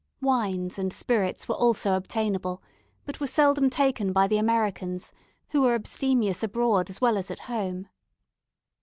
Wine and spirits were also obtainable, but were seldom taken by the Americans, who are abstemious abroad as well as at home.